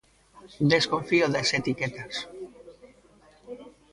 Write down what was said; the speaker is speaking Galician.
Desconfío das etiquetas.